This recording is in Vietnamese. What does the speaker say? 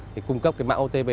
thì cung cấp mã xác thực otp